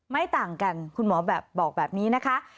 ต่างกันคุณหมอแบบบอกแบบนี้นะคะ